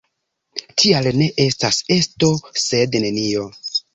Tial ne estas esto sed nenio.